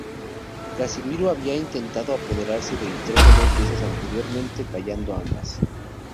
Casimiro había intentado apoderarse del trono dos veces anteriormente, fallando ambas.